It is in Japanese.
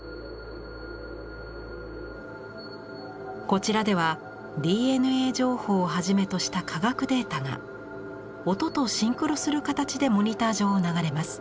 こちらではＤＮＡ情報をはじめとした科学データが音とシンクロする形でモニター上を流れます。